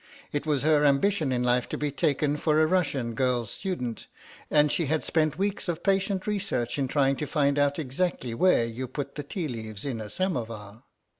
It was her ambition in life to be taken for a Russian girl student, and she had spent weeks of patient research in trying to find out exactly where you put the tea leaves in a samovar.